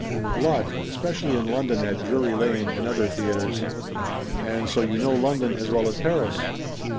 "A lot, especially in London at Drury Lane and other theaters." "And so you know London, as well as Paris?"